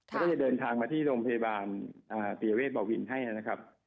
แล้วก็จะเดินทางมาที่โรงพยาบาลปิยเวทบ่อวินให้นะครับ